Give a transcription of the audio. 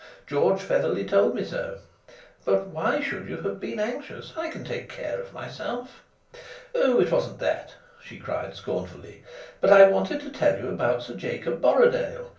George Featherly told me so. But why should you have been anxious? I can take care of myself." "Oh, it wasn't that," she cried scornfully, "but I wanted to tell you about Sir Jacob Borrodaile.